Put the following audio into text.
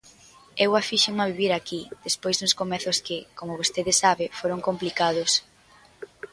Eu afíxenme a vivir aquí, despois duns comezos que, como vostede sabe, foron complicados.